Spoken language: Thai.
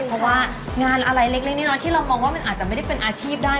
เพราะว่างานอะไรเล็กน้อยที่เรามองว่ามันอาจจะไม่ได้เป็นอาชีพได้